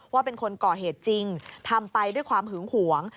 ว่าเป็นคนก่อเหตุจริงทำไปด้วยความหึงหวง